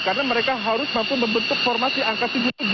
karena mereka harus mampu membentuk formasi angka tujuh tujuh